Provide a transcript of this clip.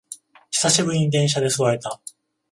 久しぶりに電車で座れた